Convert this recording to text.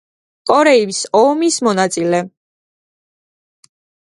კორეის ომის მონაწილე.